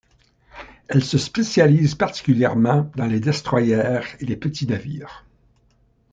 Elles se spécialisent particulièrement dans les destroyers et les petits navires.